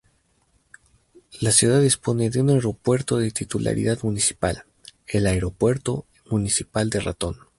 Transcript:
La ciudad dispone de un aeropuerto de titularidad municipal: el aeropuerto Municipal de Ratón.